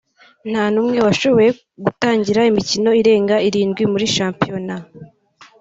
nta n’umwe washoboye gutangira imikino irenga irindwi muri shampiyona